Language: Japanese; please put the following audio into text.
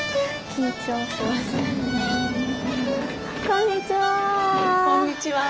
こんにちは。